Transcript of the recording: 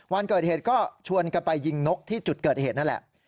วันเกิดเหตุก็ชวนกันไปยิงนกที่จุดเกิดเหตุนั่นแหละ